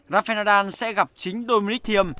rafael nadal sẽ gặp chính dominic thiem